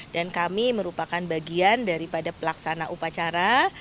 dan kami merupakan bagian daripada pelaksana upacara